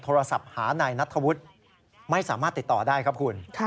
โทรศัพท์หานายนัทธวุฒิไม่สามารถติดต่อได้ครับคุณ